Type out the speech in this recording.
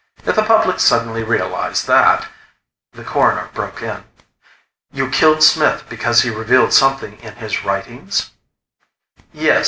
If the public suddenly realized that "The Coroner broke in. "You killed Smith because he revealed something in his writings?" "Yes.